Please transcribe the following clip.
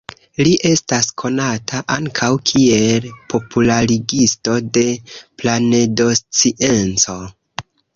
Li estas konata ankaŭ kiel popularigisto de planedoscienco.